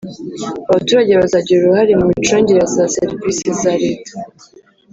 abaturage bazagira uruhare mu micungire ya za serivisi za leta